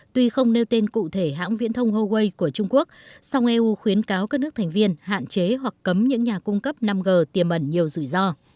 tuy không nêu tên cụ thể hãng viễn thông huawei của trung quốc song eu khuyến cáo các nước thành viên hạn chế hoặc cấm những nhà cung cấp năm g tiềm ẩn nhiều rủi ro